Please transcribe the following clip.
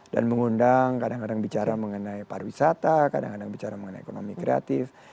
dan mengundang kadang kadang bicara mengenai pariwisata kadang kadang bicara mengenai ekonomi kreatif